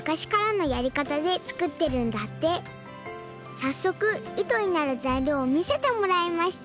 さっそくいとになるざいりょうをみせてもらいました